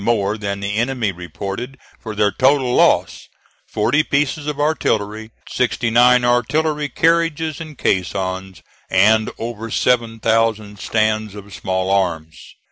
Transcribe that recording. more than the enemy reported for their total loss 40 pieces of artillery, 69 artillery carriages and caissons and over 7,000 stands of small arms.